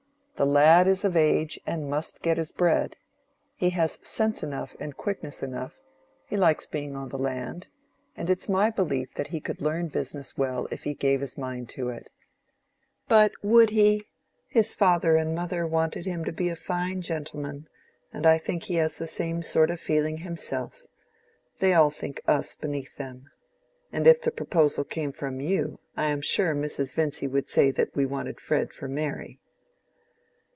"The lad is of age and must get his bread. He has sense enough and quickness enough; he likes being on the land, and it's my belief that he could learn business well if he gave his mind to it." "But would he? His father and mother wanted him to be a fine gentleman, and I think he has the same sort of feeling himself. They all think us beneath them. And if the proposal came from you, I am sure Mrs. Vincy would say that we wanted Fred for Mary."